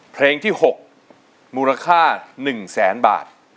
เพลงที่๖มูลค่า๑๐๐๐๐๐บาท